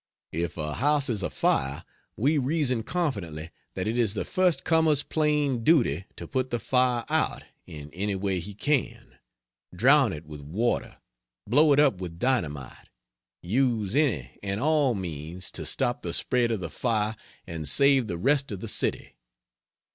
If a house is afire, we reason confidently that it is the first comer's plain duty to put the fire out in any way he can drown it with water, blow it up with dynamite, use any and all means to stop the spread of the fire and save the rest of the city.